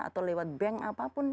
atau lewat bank apapun